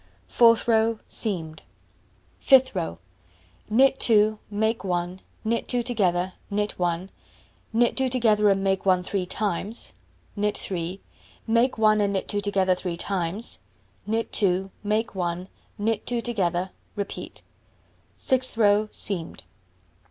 Fourth row: Seamed. Fifth row: Knit 2, make 1, knit 2 together, knit 1 (knit 2 together and make 1 three times), knit 3 (make 1 and knit 2 together three times), knit 2, make 1, knit 2 together; repeat. Sixth row: Seamed.